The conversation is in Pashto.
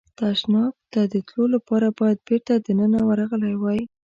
تشناب ته د تلو لپاره باید بېرته دننه ورغلی وای.